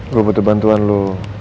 gue butuh bantuan lo